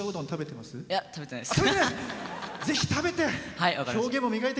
食べてないです。